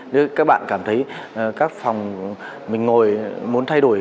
nếu các bạn cảm thấy các phòng mình ngồi muốn thay đổi